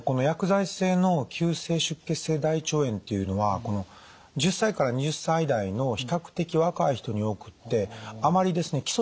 薬剤性の急性出血性大腸炎っていうのは１０歳から２０歳代の比較的若い人に多くってあまりですね